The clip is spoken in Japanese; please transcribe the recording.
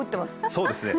そうですね。